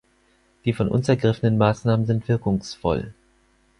Die von uns ergriffenen Maßnahmen sind wirkungsvoll.